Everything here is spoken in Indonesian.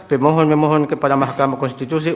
pemohon memohon kepada mahkamah konstitusi